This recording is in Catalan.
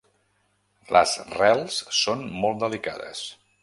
Les rels són molt delicades.